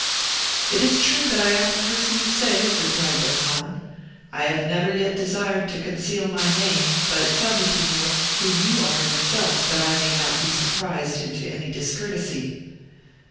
"It is true that I am the person you say," replied Don Juan. "I have never yet desired to conceal my name; but tell me, Signor, who you are yourself, that I may not be surprised into any discourtesy."